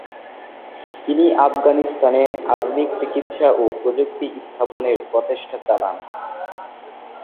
তিনি আফগানিস্তানে আধুনিক চিকিৎসা ও প্রযুক্তি স্থাপনের প্রচেষ্টা চালান।